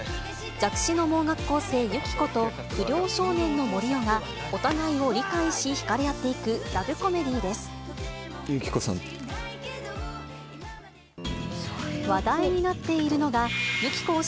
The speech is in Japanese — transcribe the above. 弱視の盲学校生、ユキコと、不良少年の森生がお互いを理解し、引かれ合っていくラブコメディーユキコさん。